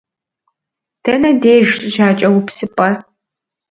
Дэнэ деж жьакӏэупсыпӏэр?